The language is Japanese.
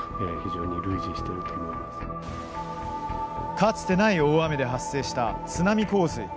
かつてない大雨で発生した津波洪水。